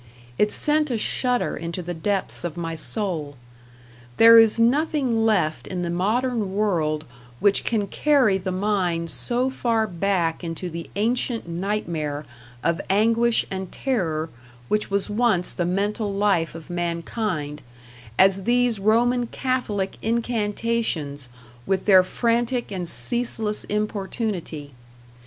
It sent a shudder into the depths of my soul. There is nothing left in the modern world which can carry the mind so far back into the ancient nightmare of anguish and terror which was once the mental life of mankind, as these Roman Catholic incantations with their frantic and ceaseless importunity.